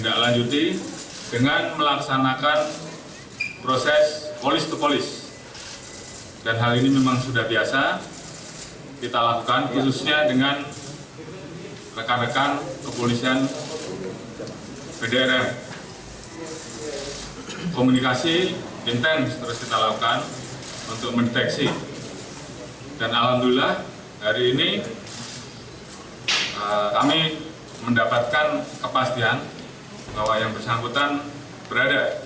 dan alhamdulillah hari ini kami mendapatkan kepastian bahwa yang bersangkutan berada di kuala lumpur